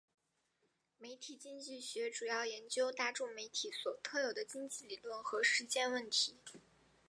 媒体经济学主要研究大众媒体所特有的经济理论和实践问题。